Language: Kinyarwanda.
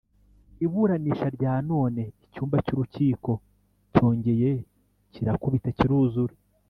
Iburanisha rya none icyumba cy’urukiko cyongeye kirakubita kiruzura